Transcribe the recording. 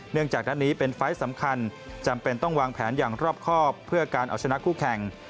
จากด้านนี้เป็นไฟล์สำคัญจำเป็นต้องวางแผนอย่างรอบครอบเพื่อการเอาชนะคู่แข่ง